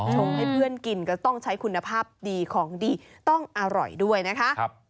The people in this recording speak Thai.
ชงให้เพื่อนกินก็ต้องใช้คุณภาพดีของดีต้องอร่อยด้วยนะคะ